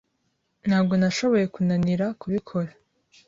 Ntabwo nashoboye kunanira kubikora.